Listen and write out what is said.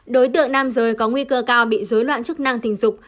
đối tượng nam giới có nguy cơ cao bị dối loạn chức năng tình dục